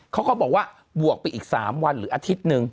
เขาก็บอกว่าบวกไปอีก๓วันหรืออาทิตย์หนึ่ง